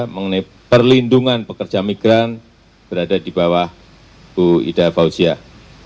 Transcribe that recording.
mengenai perlindungan pekerja migran berada di bawah bu ida fauziah